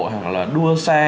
hoặc là đua xe